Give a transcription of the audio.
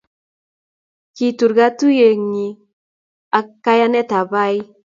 kitur kotuyiogei ak kayanetab Bahai.